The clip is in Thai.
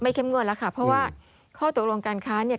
เข้มงวดแล้วค่ะเพราะว่าข้อตกลงการค้าเนี่ย